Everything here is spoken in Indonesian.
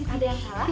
ada yang salah